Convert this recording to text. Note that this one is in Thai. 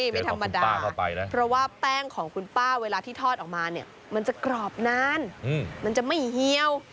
ไม่ธรรมดาเพราะว่าแป้งของคุณป้าเวลาที่ทอดออกมาเนี่ยมันจะกรอบนานมันจะไม่เฮียว